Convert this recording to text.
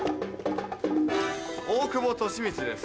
大久保利通です。